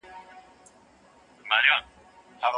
لیکوال په کتاب کې منطقي خبري کړې دي.